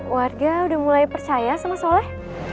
warga udah mulai percaya sama soleh